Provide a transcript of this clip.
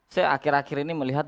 saya akhir akhir ini melihat